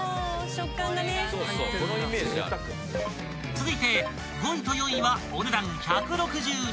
［続いて５位と４位はお値段１６２円］